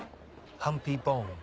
ハンピー・ボング？